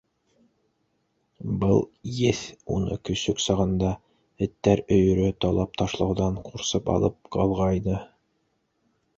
Был еҫ уны көсөк сағында эттәр өйөрө талап ташлауҙан ҡурсып алып ҡалғайны.